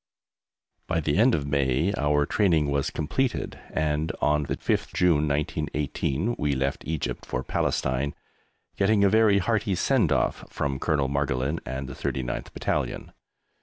By the end of May our training was completed and on the 5th June, 1918, we left Egypt for Palestine, getting a very hearty "send off" from Col. Margolin and the 39th Battalion.